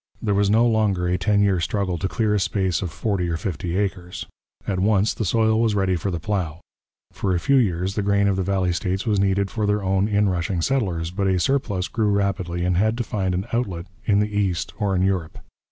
There was no longer a ten year struggle to clear a space of forty or fifty acres; at once the soil was ready for the plough. For a few years the grain of the valley states was needed for their own inrushing settlers, but a surplus grew rapidly and had to find an outlet in the east or in Europe.